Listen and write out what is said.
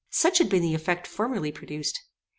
Such had been the effect formerly produced.